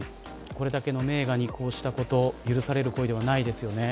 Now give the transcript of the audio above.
これだけの名画にこうしたこと許される行為ではないですよね。